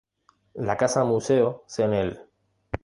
La Casa Museo Cnel.